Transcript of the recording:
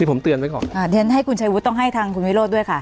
ผมเตือนไว้ก่อนอ่าเดี๋ยวให้คุณชัยวุฒิต้องให้ทางคุณวิโรธด้วยค่ะ